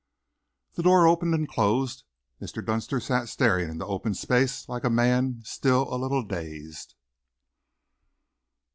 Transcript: The door opened and closed. Mr. Dunster sat staring into the open space like a man still a little dazed.